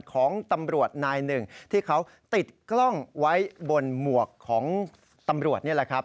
ของตำรวจนายหนึ่งที่เขาติดกล้องไว้บนหมวกของตำรวจนี่แหละครับ